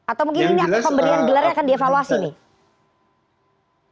atau mungkin ini akan pemberian gelarnya akan dievaluasi nih